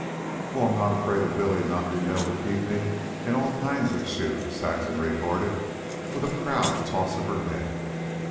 "Oh, I'm not afraid of Billy not being able to keep me in all kinds of shoes," Saxon retorted with a proud toss of her head.